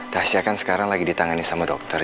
tasya kan sekarang lagi ditangani sama dokter